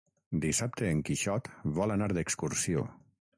Dissabte en Quixot vol anar d'excursió.